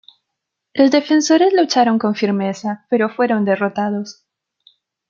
Los defensores lucharon con firmeza, pero fueron derrotados.